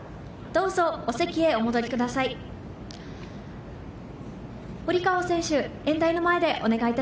どうぞ、お席へお戻りください。